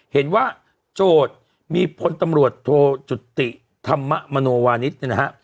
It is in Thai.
โจทย์มีพลตำรวจโทจุติธรรมมโนวานิสเนี่ยนะฮะ